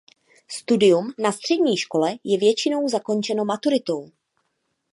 Studium na střední škole je většinou zakončeno maturitou.